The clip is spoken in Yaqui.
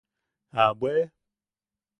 ¿A bweʼe?